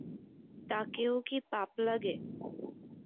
তাঁকেও কি পাপ লাগে?